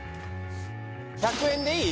１００円でいい？